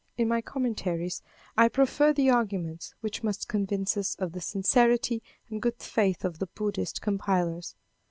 In my commentaries I proffer the arguments which must convince us of the sincerity and good faith of the Buddhist compilers.